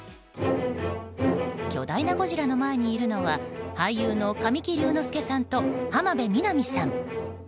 巨大なゴジラの前にいるのは俳優の神木隆之介さんと浜辺美波さん。